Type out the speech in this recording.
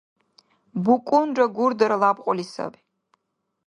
БукӀунра гурдара лябкьули саби.